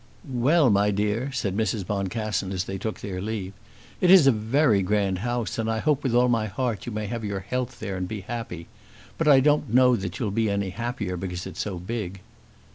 "Well, my dear," said Mrs. Boncassen, as they took their leave, "it is a very grand house, and I hope with all my heart you may have your health there and be happy. But I don't know that you'll be any happier because it's so big."